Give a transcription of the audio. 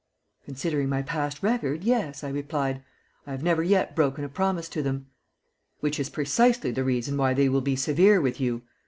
"Considering my past record, yes," I replied. "I have never yet broken a promise to them." "Which is precisely the reason why they will be severe with you.